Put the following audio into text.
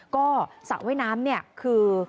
ก็สระว่ายน้ำเนี่ยคือ